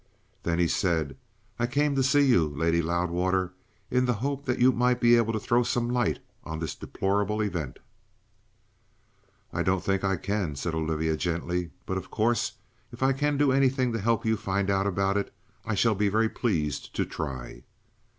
Then he said: "I came to see you, Lady Loudwater, in the hope that you might be able to throw some light on this deplorable event." "I don't think I can," said Olivia gently. "But of course, if I can do anything to help you find out about it I shall be very pleased to try."